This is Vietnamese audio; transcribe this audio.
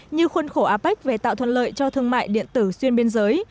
như khuôn khổ apec về tạo thuận lợi cho thương mại điện tử xuyên biên giới